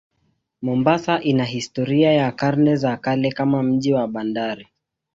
Mombasa ina historia ya karne za kale kama mji wa bandari.